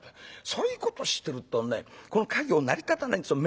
そういうことしてるとねこの稼業成り立たないんですよ。